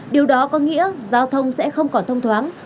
điều đó có nghĩa giao thông sẽ không còn thông thoáng